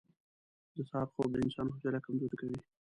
• د سهار خوب د انسان حوصله کمزورې کوي.